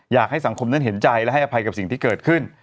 อยากให้สังคมนั้นเห็นใจและให้อภัยกับสิ่งที่เกิดขึ้น